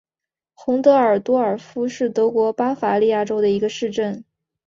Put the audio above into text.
洪德尔多尔夫是德国巴伐利亚州的一个市镇。